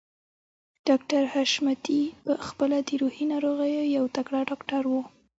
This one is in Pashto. ډاکټر حشمتي په خپله د روحي ناروغيو يو تکړه ډاکټر و.